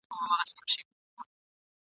د تيارو سي ورته مخ د ورځو شا سي !.